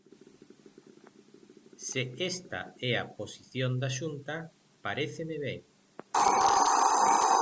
Se esta é a posición da Xunta, paréceme ben.